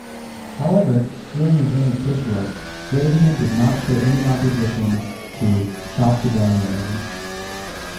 However, during his reign as patriarch, Flavian did not show any opposition to Chalcedonianism.